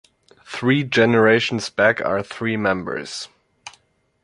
Three generations back are three members.